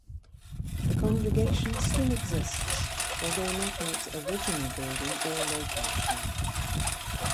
The congregation still exists, although not in its original building or location.